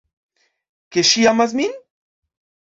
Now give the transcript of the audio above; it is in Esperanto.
Ke ŝi amas min?